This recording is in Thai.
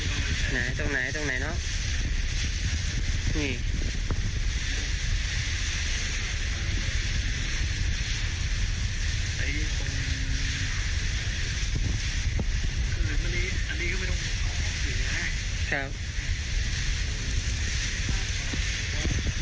อันนี้ก็ไม่ต้องออกออกอยู่นะครับ